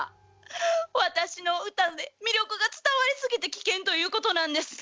私の歌で魅力が伝わりすぎて危険ということなんですね。